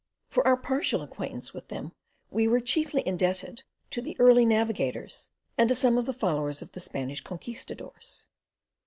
For our partial acquaintance with them we were chiefly indebted to the early navigators, and to some of the followers of the Spanish Conquistadores.